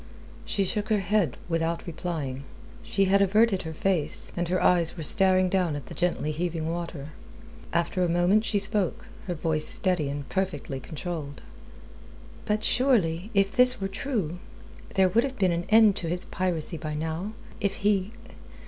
She shook her head without replying. She had averted her face, and her eyes were staring down at the gently heaving water. After a moment she spoke, her voice steady and perfectly controlled. "But surely, if this were true, there would have been an end to his piracy by now. If he...